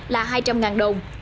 là hai trăm linh ngàn đồng